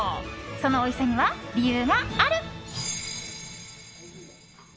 そのおいしさには、理由がある。